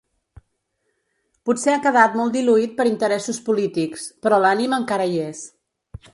Potser ha quedat molt diluït per interessos polítics, però l’ànima encara hi és.